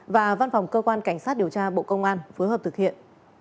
và văn phòng cơ quan cảnh sát điều tra bộ công an phối hợp thực hiện